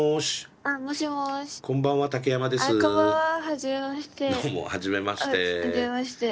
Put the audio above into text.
あっはじめまして。